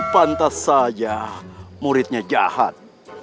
pantas saja muridnya jahat